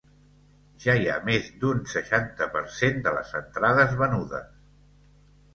Ja hi ha més d’un seixanta per cent de les entrades venudes.